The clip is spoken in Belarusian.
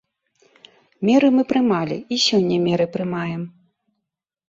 Меры мы прымалі і сёння меры прымаем.